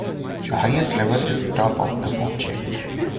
The highest level is the top of the food chain.